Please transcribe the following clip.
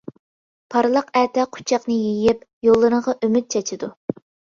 پارلاق ئەتە قۇچاقنى يېيىپ، يوللىرىڭغا ئۈمىد چاچىدۇ.